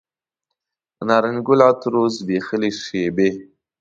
د نارنج ګل عطرو زبیښلې شیبې